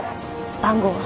番号は？